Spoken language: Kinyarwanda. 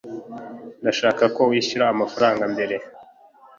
ndashaka ko wishyura amafaranga mbere